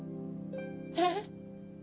えっ？